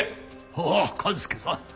ああ勘介さん。